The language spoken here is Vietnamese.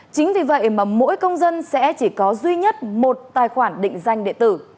chính vì vậy mà mỗi công dân sẽ chỉ có duy nhất một tài khoản định danh điện tử